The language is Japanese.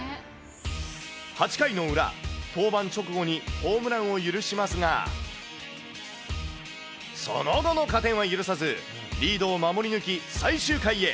８回の裏、登板直後にホームランを許しますが、その後の加点は許さず、リードを守り抜き、最終回へ。